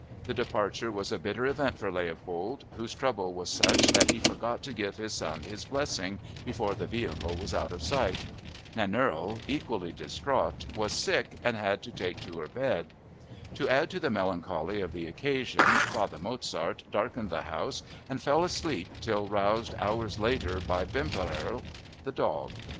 The departure was a bitter event for Leopold, whose trouble was such that he forgot to give his son his blessing before the vehicle was out of sight! Nannerl, equally distraught, was sick and had to take to her bed. To add to the melancholy of the occasion Father Mozart darkened the house and fell asleep till roused hours later by Bimperl, the dog.